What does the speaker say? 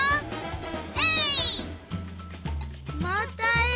えい！